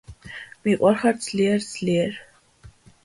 მიყვარხარ ძლიერ ძლიერ